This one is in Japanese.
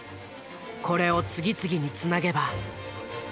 これを次々につなげば。